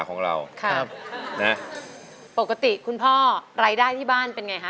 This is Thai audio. ของเราครับนะปกติคุณพ่อรายได้ที่บ้านเป็นไงฮะ